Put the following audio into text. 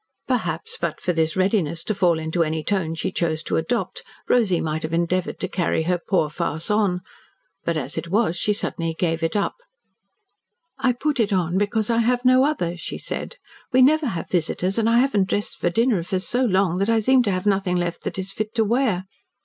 Perhaps but for this readiness to fall into any tone she chose to adopt Rosy might have endeavoured to carry her poor farce on, but as it was she suddenly gave it up. "I put it on because I have no other," she said. "We never have visitors and I haven't dressed for dinner for so long that I seem to have nothing left that is fit to wear.